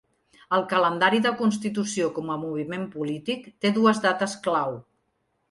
El calendari de constitució com a moviment polític té dues dates clau.